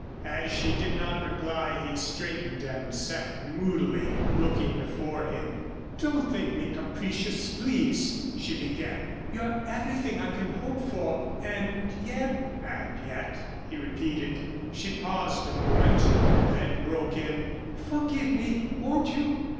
As she did not reply he straightened and sat moodily looking before him. "Don't think me capricious, please," she began. "You're everything I can hope for and yet " "And yet?" he repeated. She paused a moment, then broke in, "Forgive me, won't you?